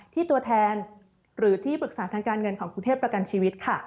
ตัวแทนหรือที่ปรึกษาทางการเงินของกรุงเทพประกันชีวิตค่ะ